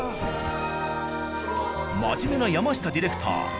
真面目な山下ディレクター